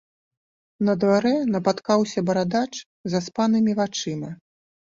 На дварэ напаткаўся барадач з заспанымі вачыма.